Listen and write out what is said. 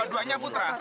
dua duanya putra pak